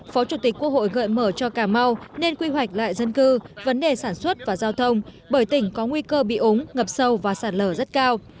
phó chủ tịch quốc hội gợi mở cho cà mau nên quy hoạch lại dân cư vấn đề sản xuất và giao thông bởi tỉnh có nguy cơ bị ống ngập sâu và sạt lở rất cao